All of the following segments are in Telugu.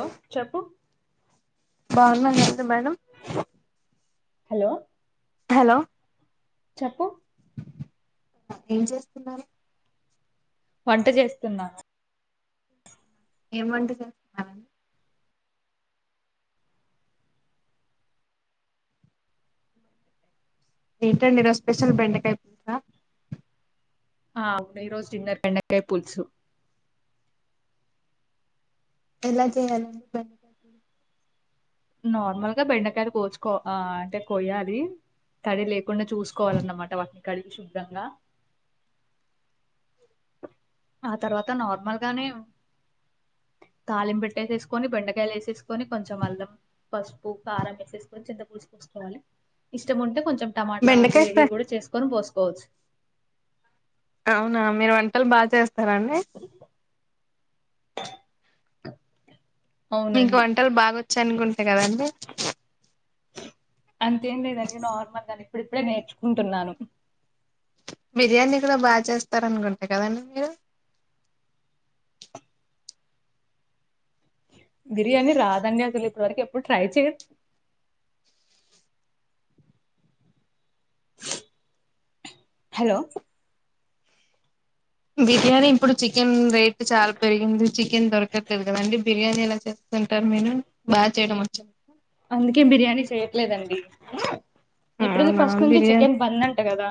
హలో చెప్పు బాగున్నా లో మేడం హలో హలో చెప్పు ఏం చేస్తున్నారు వంట చేస్తున్నాను ఏం వంట చేస్తున్నారు మామ్ ఏంటండీ ఈరోజు స్పెషల్ బెండకాయ పులుసా. ఆ అవును ఈ రోజు డిన్నర్ బెండకాయ పులుసుు. ఎలా చేయాలండి బెండకాయ పులు నార్మల్గా బెండకాయలు కోచుకో ఆ అంటే కోయాలి తడి లేకుండా చూసుకోవాలన్నమాట వాటిని కడిగి శుద్ధంగా ఆ తర్వాత నార్మల్ గానే తళిం పెెట్ట వేసేసుకొని బెండకాయలు వేసేసుకొని కొంచెం అల్లం పసుపు కారం వేసేసుకొని చింత పూడిసుకసుకోవాలి ఇష్టం ఉంటే కొంచెం కొంచెం టమాటా బెండకాయ గ్రేవీ ఫ్రై కూడా చేసుకొని పోసుకోవచ్చు అవునా మీరు వంటలు బాగా చేస్త స్తరన్నడి మీకు అవునండి వంటలు బాగాొ చనుగుంటా కదండి అంతేం లేదండి నార్మల్గాని ఇప్పుడిప్పుడే నేర్చుకుంటున్నాను బిర్యానీ కూడా బాగా చేస్తారనుకుంటే కదండి మీరు బిర్యానీ రాధన్య అసలు ఇప్పుడువరకు ఎప్పుడు ట్రై చేదు హలో బిర్యానీ ఇప్పుడు చికెన్ రేట్ చాలా పెరిగింది చికెన్ దొరకట్లేదు కదండి బిర్యానీ ఎలా చేస్తుంటారు నేను బాగా చేయడం వచ్చాంది అందుకే బిర్యానీ చేయట్లేదండి ఎప్పుడుదు అవునా ఫస్ట్ నుంచంచి చికెన్ పందండి కదా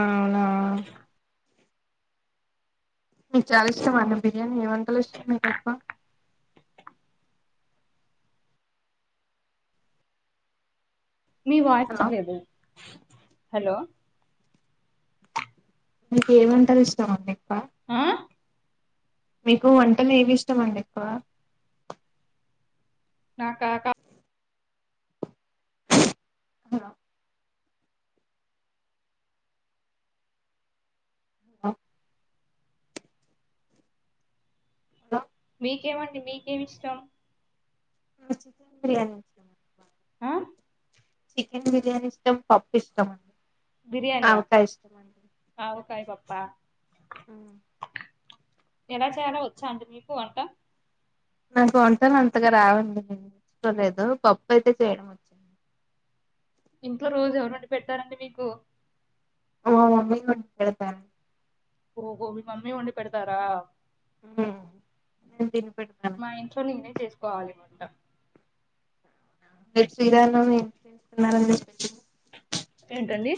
అవునావు మీకు చాలా ఇష్టం అన్న బిర్యానీ ఏ వందలు ఇష్టం మీకు ఎక్కువ మీ హలో వాచ్చలేదు హలో మీకు ఏమంటారు ఇస్తామండి ఎప్ప ఆ మీకు వంటలు ఏవి ఇష్టమ అండి ఎక్కువ నాకా హ ఆ హద మీకేమండి మీకేమి ఇష్టం చికెన్ బిర్యానీ ఆహ్. చికెన్ బిర్యానీ ఇష్టం. పప్పు ఇష్టం. బిర్యానియా, ఆవకాయ ఇష్టం ఆవకాయ. ఆవకాయ పప్పా. ఉమ్ ఎలా చేయాలో వచ్చా అండి మీకు వంట. నాకు వంటలు అంతగా రావండి. నేను నేరుచుకోలేదు పప్పు అయితే చేయడం వచ్చు. ఇంట్లో రోజు ఎవరు వండి పెడతారు అండి మీకు. మా మమ్మీ వండి పెడుతుంది. ఓహో మీ మమ్మీ వండి పెడతారా. ఉమ్ మా ఇంట్లో నేనే చేస్త. కాలి వంట. రేపు శ్రీరామనవమి నవమి. ఏంటండి.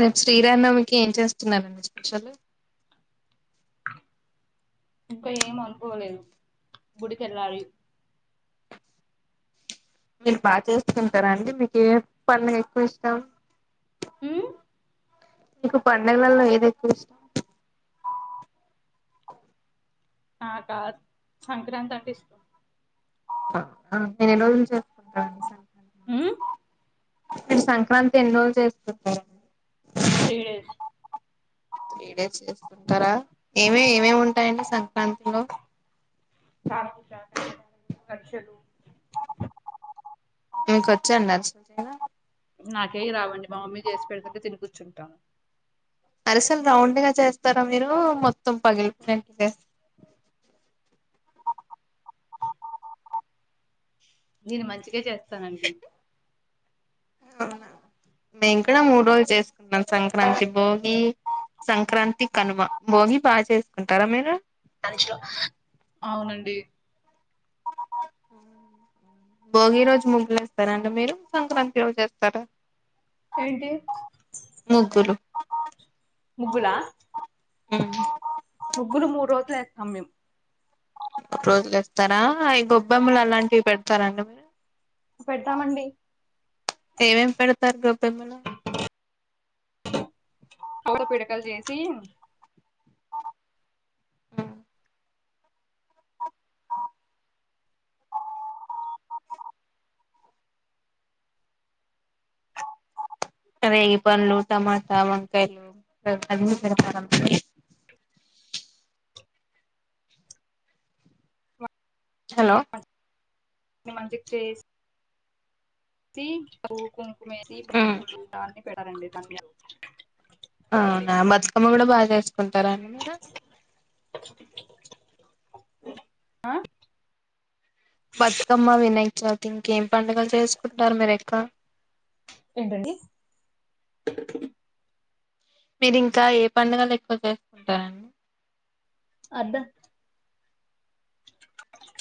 రేపు శ్రీరామనవమికి ఏం చేస్తున్నానండి స్పెషల్. ఇంకా ఏమనుకోలేదు గుడికి వెళ్ళాలి. మీరు బాగా చేసుకుంటారా అండి. మీకు ఏ పండుగ ఎక్కువ ఇష్టం. ఉమ్. మీకు పండగలలో ఏది ఎక్కువ ఇష్టం. నాకా సంక్రాంతి అంటే ఇష్టం. నేను రోజు చేసుకుంటా తెలుసా. ఉమ్. మీరు సంక్రాంతి ఎన్ని రోజులు చేసుకుంటారండి. Three days. త్రీ డేస్ చేసుంటారా ఏమేం. ఏమేం ఉంటాయండి సంక్రాంతిలో. లక్షలు. మీకు వచ్చాయ లక్షలు. నాకేవీ రావండి మా మమ్మీ చేసి పెడుతుంటే తిని కూర్చుంటా. అరిసెలు రౌండ్ గా చేస్తారా మీరు మొత్తం పగిలిపోయినట్లు చేస్తారా. నేను మంచిగా చేస్తానండి. అవునా మేము కూడ మూడు రోజులు చేసు. మా సంక్రాంతి, భోగి. సంక్రాంతి, కనుమ, భోగి బాగా చేసుకుంటారా మీరు. అవునండి. భోగి రోజు ముగ్గులు వస్తారండి. మీరు సంక్రాంతి రోజు వేస్తారా. ఏంటి. ముగ్గులు ముగ్గులా. ఆహ్ ముగ్గులు మూడు రోజులు వేస్తాం మేము. రోజులేస్తారా అవి గొబ్బెమ్మలు అలాంటివి పెడతారండి మీరు. పెడతామండి ఏమేం పెడతారు గొబ్బెమ్మలు. ఆవు తో పిడకలు చేసి. అదే పండ్ళు టమాటా వంకాయలు ఆ అని అదికారం [unintelligible] హలో నా మంచికి చేస్ కి పవ్వు కుంకుమేసి పెద్ద్ద పూలు దాన్ని పెట్టండి దానిమీద. అవునా బతుకమ్మ కూడా బాగా చేసుకుంటారా అండి మీరు? ఆ బతుకమ్మ వినాయక చౌత్ ఇంకేం పండుగలు చేసుకుంటారు మీర్ ఎక్కవ? ఏంటండి? మీరు ఇంకా ఏ పడుగలు ఎక్కువ చేసుకుంటారండి? అదా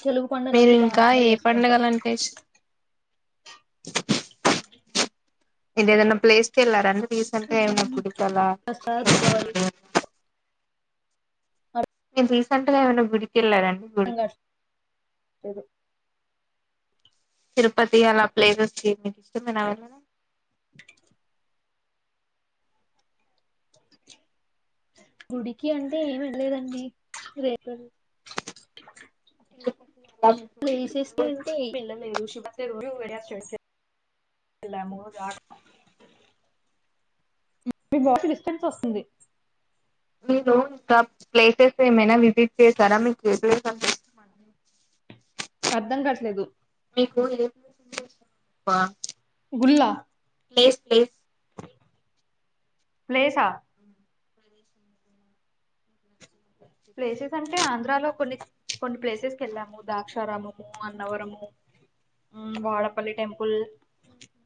తెలుగు మీరు పండలన్నీ ఇంకా బాగానే ఏ చేసుకుంటాం. పండుగలు అంటే ఇష్ మీర్ ఇదేదన్నానా ప్లేస్ ఎలరాండి? ఉమ్ దసరా, దీపావళి. మీర్ రీసెంట్ గా ఏమన్నా గుడి వెళ్లారండి సంఘ గుడికి? తిరుపతి అలా ప్లేసెస్ కి మీకు ఇష్టమేనా వెళదాం? గుడికి అంటే ఏమి వెళ్లలేదండి రేప్వేల్ ప్లేస్ కి అంటే ఏం వెళ్ళలేదు లేదు శుభ [unintelligible] వెల్లము [unintelligible] మీ వాయిస్ డిస్టర్బెన్స్ వస్తుంది. మీ లోన్ క ప్లేసెస్ ఏమైనా మీర్ విసిట్ చేశారా మీ కూతురు [unintelligible] అర్ధం కట్లేదు మీకు ఏ ప్లేస్ అంటే ఇష్టమబ్బ? గుల్లా ప్లేస్ ప్లేస్ ప్లేసా ప్లేసెస్ అంటే ఆంధ్రాలో కొన్ని కొన్ని ప్లేసెస్ కి వెళ్ళాము దాక్షారాముము, అన్నవరము, ఉమ్ వాడపల్లి టెంపుల్. ఉమ్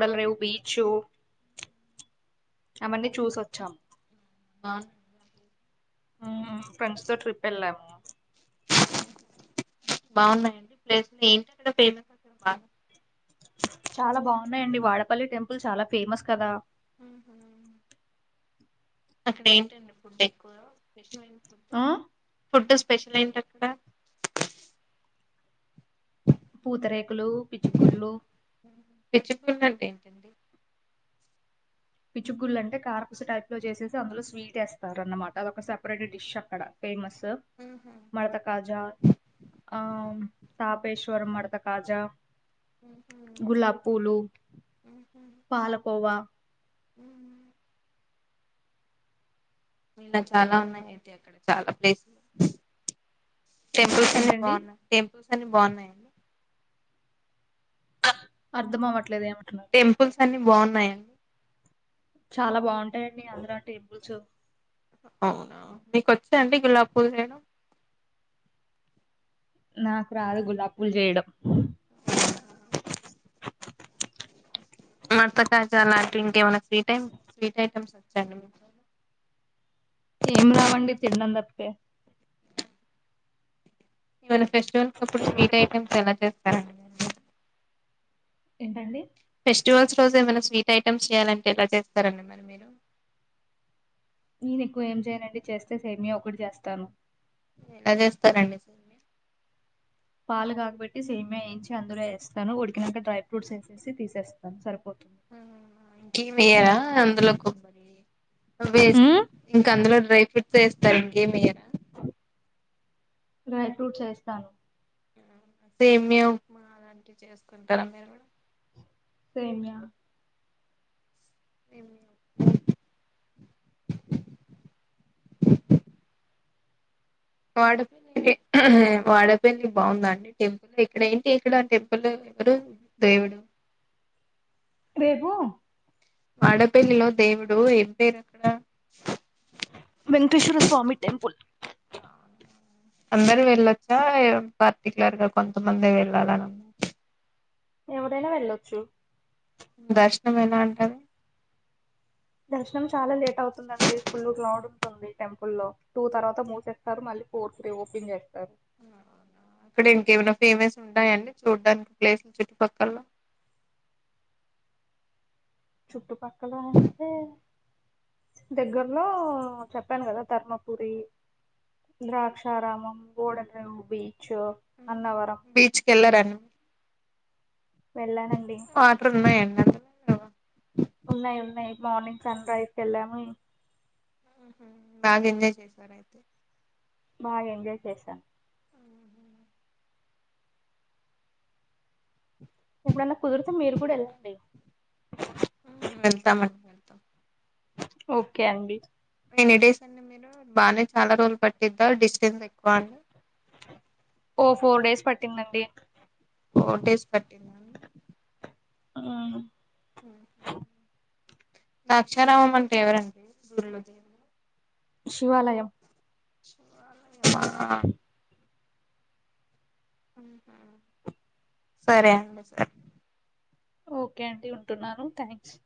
వల్రేవు బీచ్ అవన్నీ చూసివచాం మా ఉమ్ ఫ్రెండ్స్ తో ట్రిప్ వెళ్ళవా? బాగున్నాయండి ప్లేసు ఏంటి అక్కడ ఫేమస్ అక్కడ బాగా చాలా బాగున్నాయండి వాడపల్లి టెంపుల్ చాలా ఫేమస్ కదా. ఉహు అక్కడ ఏంటండి ఫుడ్ ఎక్కువ విషయం ఏంటి? ఆ ఫుడ్ స్పెషల్ ఏంటి అక్కడ? పూతరేకులు, పిచ్చుగుళ్ళు పిచ్చుగుళ్ళంటే ఏంటండి పిచ్చుగుళ్ళంటే కారపుస టైప్ లో చేసేసి అందులో స్వీట్ వేస్తారు అన్నమాట ఒక సెపరేట్ డిష్ అక్కడ ఫేమస్ హెలో మడత కాజ ఆ తాపేష్వరం మడత కాజ గులాబ్ పూలు, పాలకోవ ఉహు మీల చాలా ఉన్నాయి అయితే అక్కడ చాలా ప్లేస్ టెంపుల్సన్ని ఏంటండి బాగున్నాయి టెంప్ చూసాను బాగున్నాయండి అ అర్ధమవట్ అట్ల దేమంటన టెంపుల్స్ అన్ని బావున్నయండి. ఛాల బాగుంటాయండి అందరు ఆ టేబుల్సు అవునా మీకొచ్చా అండి గులాప్పూల్ చేయడం నాకు రాదు గులాప్పూలు చేయడం మడతకాజా లాంటివి ఇంకేమైనా ఫ్రీ టైమ్ స్వీట్ ఐటెమ్స్ వచ్చా అండి ఏం రావండి తిండం తప్పితె ఇవళె రెస్ట్ గా ఉన్నప్పుడు స్వీట్ ఐటమ్స్ ఎమైన చేస్తా కదండి మేమ ఏంటండి స్టోర్స్ ఫ్లోజ్ రోజు ఏమైనా స్వీట్ ఐటమ్స్ చేయాలంటే ఎట్ల చేస్తారండి మరి మీరు నేను ఎక్కువ ఏం చేయనండి చేస్తే సేమియ ఒక్కటి చేస్తాను ఎట్జెస్తారండి సేమియా పాలు కాకబెట్టి సేమియ వేయించి అందులో వేస్తాను ఉడికినాక డ్రై ఫ్రూట్స్ వేసేసి తీసేస్తాను సరిపోతు ఇంకేమి వేయరా అందులో కొబ్బరి వేస్ ఇంక అందులో డ్రై ఫ్రూట్ చేస్తారు ఏం వేయరా డ్రై ఫ్రూట్స్ వేస్తాను సేమ్య ఉప్మా అలాంటివి చేస్తుంటార మీరు కూడా సేమ్య ఏ వాడపిల్లి హ వాడపిల్లి బాగుందా అండి టెంపుల్ ఇక్కడ ఏంటి ఇక్కడ టెంపుల్ ఎవరు దేవుడు రేపు ఆడ పెల్లిలో దేవుడు ఎండేరు అక్కడ వెంక్టేశ్వర స్వామి టెంపుల్ అందరు వెళ్ళొచ్చా పర్టికులర్ గ కొంతమందె వెళ్ళాలన ఎవరైనా వెల్లోచ్చు దర్శనం ఎలా ఉంటది దర్శనం చాలా లేట్ అవుతుందండి ఫుల్ గ్లౌడ్ ఉంటుంది టెంపుల్లో టూ తర్వాత మూసేస్తారు మళ్ళీ ఫోర్ త్రీ ఓపెన్ చేస్తారు ఇక్కడ ఇంకేమైనా ఫేమెస్ ఉంటాయండి చూడ్డానికి ప్లేసులు చుట్టు పక్కల్లో చుట్టు పక్క క్కలా అంతే దగ్గరలో చెప్పాను కదా తర్మపుూరి ద్రాక్షారామం గోడెండర ఉబి బీచ్ కలారన్న వెళ్ళానండి మాత్ర ఉన్నా ఎన్న ఉన్నాయి ఉన్నాయి మార్నింగ్ సన్ రైజ్కి వెళ్ళాము బాగా ఎంజాయ్ చేసారు అయితే బాగా ఎంజాయ్ చేశాను ఎప్పుడన్నా కుదిరితే మీరు కూడా వెళ్ళండి మళ్తా మ మత ఓకే అండి నన్ ఇడేస్ అండి మీరు బాగానే చాలా రోజులు పట్టిద్దా డిస్టెన్స్ ఎక్కువ అండి ఓ ఫోర్ డేస్ పట్టిందండి ఫోటేస్ పట్టింద ఆ దాక్షారామం అంటే ఎవరండి శివాలయం సరే అండి సరే ఓకే అండి ఉంటున్నాను థ్యాంక్స్